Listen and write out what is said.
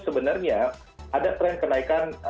sebenarnya ada tren kenaikan